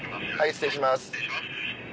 失礼します。